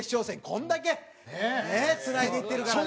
こんだけねっつないでいってるからね。